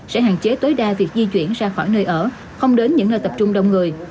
sẽ hạn chế tối đa việc di chuyển ra khỏi nơi ở không đến những nơi tập trung đông người